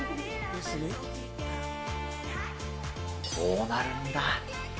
こうなるんだ。